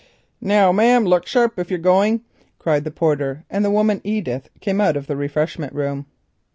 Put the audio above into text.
"Now, mam, look sharp if you're going," cried the porter, and the woman Edith came out of the refreshment room.